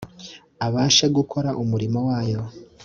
abashe gukora umurimo wayo